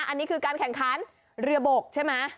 อันนี้คือการแข่งขันเรือบกใช่ไหม